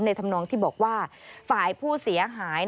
ธรรมนองที่บอกว่าฝ่ายผู้เสียหาย